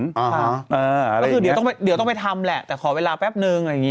ก็คือเดี๋ยวต้องไปทำแหละแต่ขอเวลาแป๊บนึงอะไรอย่างนี้